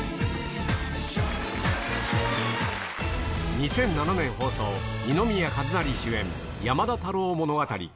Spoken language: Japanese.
２００７年放送、二宮和也主演、山田太郎ものがたり。